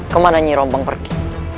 ke mana nyi rompong pergi